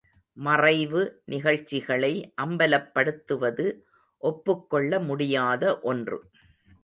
மறைவு நிகழ்ச்சிகளை அம்பலப் படுத்துவது ஒப்புக்கொள்ள முடியாத ஒன்று.